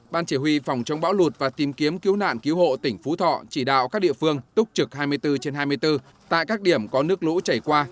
ban chỉ huy phòng chống bão lụt và tìm kiếm cứu nạn cứu hộ tỉnh phú thọ chỉ đạo các địa phương túc trực hai mươi bốn trên hai mươi bốn tại các điểm có nước lũ chảy qua